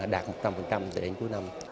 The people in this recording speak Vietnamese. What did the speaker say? đạt một trăm linh đến cuối năm